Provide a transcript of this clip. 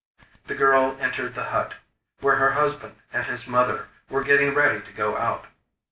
The girl entered the hut, where her husband and his mother were getting ready to go out.